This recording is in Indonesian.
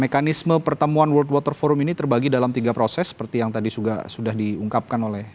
mekanisme pertemuan world water forum ini terbagi dalam tiga proses seperti yang tadi sudah diungkapkan oleh